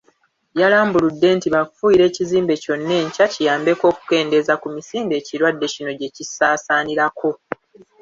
Yalambuludde nti bakufuuyira ekizimbe kyonna enkya kiyambeko okukendeeza ku misinde ekirwadde kino gye kisaasaanirako.